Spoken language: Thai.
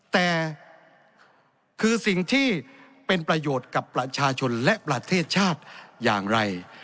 แต่คือสิ่งที่เป็นประโยชน์กับประชาชนและประเทศชาติอย่างไร